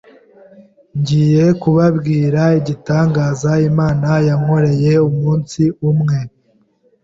Ngiye kubabwira igitangaza Imana yankoreye, Umunsi umwe,